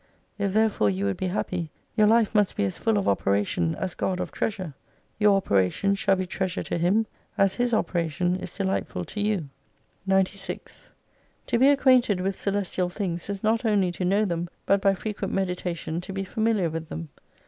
If therefore you would be happy, your life must be as full of operation as God of treasure. Your operation shall be treasure to Him, as His operation is delightful to you. 96 To be acquainted with celestial things is not only to know them, but by frequent meditation to be familiar with them.